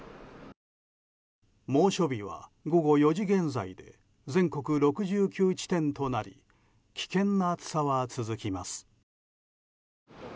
猛暑日は午後４時現在全国６９地点となり危険な暑さは続きます。